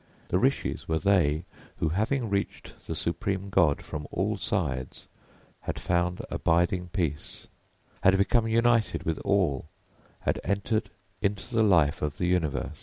The rishis were they who having reached the supreme God from all sides had found abiding peace, had become united with all, had entered into the life of the Universe.